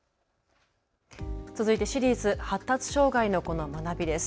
続いてシリーズ、発達障害の子の学びです。